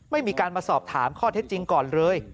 ไม่มีการมาสอบถามข้อเท็จจริงก่อนเลย